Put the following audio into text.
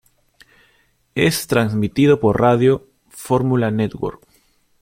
Es transmitido por Radio Formula Network.